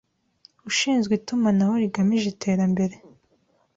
ushinzwe Itumanaho rigamije Iterambere,